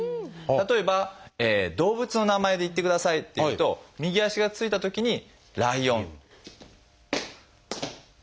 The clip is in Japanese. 例えば動物の名前で言ってくださいっていうと右足がついたときに「ライオン」。